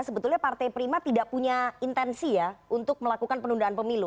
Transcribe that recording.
sebetulnya partai prima tidak punya intensi ya untuk melakukan penundaan pemilu